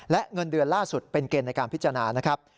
และเงินเดือนล่าสุดเป็นเกณฑ์ในการพิจารณานะครับ